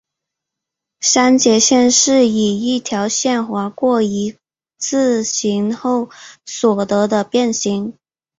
删节线是以一条线划过一字形后所得的变型。